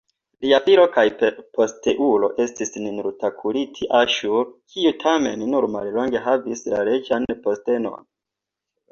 Lia filo kaj posteulo estis Ninurta-tukulti-Aŝur, kiu tamen nur mallonge havis la reĝan postenon.